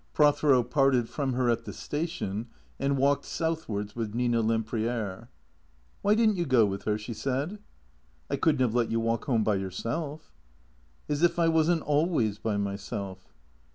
Pro thero parted from her at the station and walked southwards with Nina Lempriere. " Why did n't you go with her ?" she said. " I could n't have let you walk home by yourself." " As if I was n't always by myself."